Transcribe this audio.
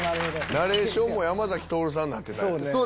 ナレーションも山咲トオルさんになってたやん。